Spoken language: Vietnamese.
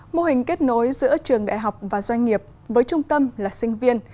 mô hình kết nối giữa trường đại học và doanh nghiệp với trung tâm là sinh viên